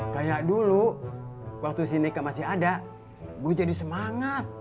kayak dulu waktu sineka masih ada gue jadi semangat